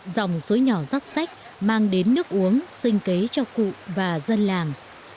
dòng suối nhỏ dắp sách mang đến nước uống xinh kế cho cụ và dân làng